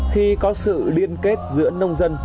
khi có sự liên kết giữa nông dân